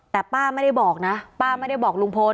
แต่ป้าไม่ได้บอกนะป้าไม่ได้บอกลุงพล